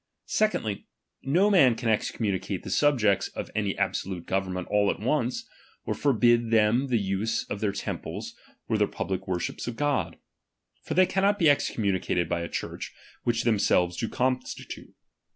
Secondly, no man can ea commumrate the subjects of any absolute gover/tment all at once, or forbid them the use i^ their temples or their public wor ship of God. For they cannot be excomrannicated by a Qiurch, which themselves do constitute.